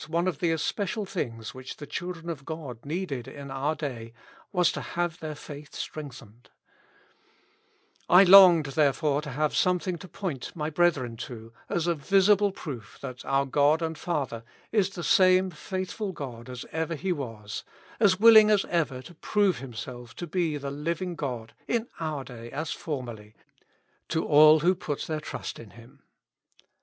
one of the especial things which the children of God needed in our day, was to have their faith strengtlie7ied> " I longed, therefore, to have something to point my brethren to, as a visible proof that our God and Father is the same faith ful God as ever He was ; as willing as ever to prove Himself to be the living God in our day as formerly, to all who put their trust in Him.